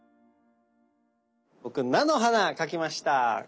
僕菜の花描きました。